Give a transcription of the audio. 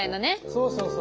そうそうそう。